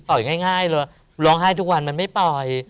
ง่ายเลยร้องไห้ทุกวันมันไม่ปล่อย